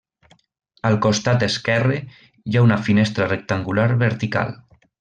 Al costat esquerre hi ha una finestra rectangular vertical.